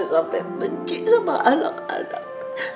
nenek sampe benci sama alang alang